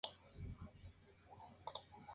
La gira de presentación por Bs.